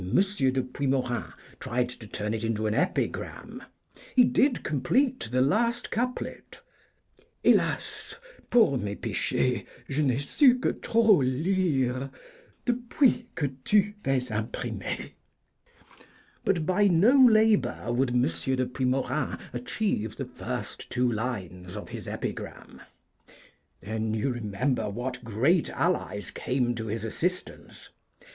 de Puimorin tried to turn it into an epigram. He did complete the last couplet, Hélas! pour mes péchés, je n'ai su' que trop lire Depuis que tu fais imprimer. But by no labour would M. de Puimorin achieve the first two lines of his epigram. Then you remember what great allies came to his assistance.